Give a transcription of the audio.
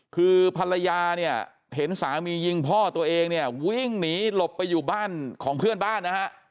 คือภรรยาเนี่ยเห็นสามียิงพ่อตัวเองเนี่ยวิ่งหนีหลบไปอยู่บ้านของเพื่อนบ้านนะฮะ